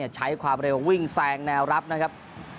ใช้ความเร็ววิ่งแซงแนวรับนะครับ